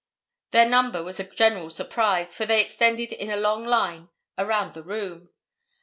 Their number was a general surprise, for they extended in a long line around the room.